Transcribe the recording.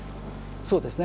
そうですね。